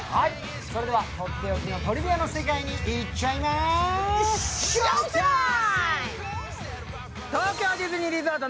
それではとっておきのトリビアの世界に行っちゃいまＳＨＯＷＴＩＭＥ！